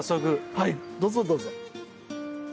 はいどうぞどうぞ。